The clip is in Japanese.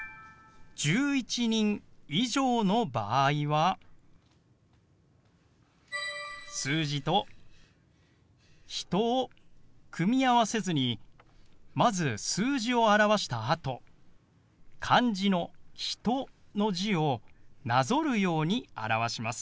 １１人以上の場合は数字と「人」を組み合わせずにまず数字を表したあと漢字の「人」の字をなぞるように表します。